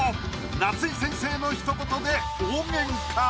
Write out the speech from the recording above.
夏井先生のひと言で大ゲンカ！